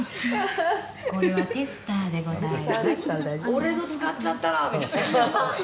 「俺の使っちゃったら！」みたいな。